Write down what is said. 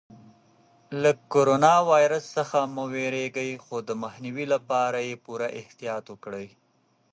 له کرونا ویروس څخه مه وېرېږئ خو د مخنیوي لپاره یې پوره احتیاط وکړئ.